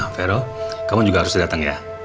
vero kamu juga harus datang ya